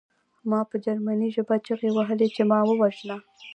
ما په جرمني ژبه چیغې وهلې چې ما ووژنه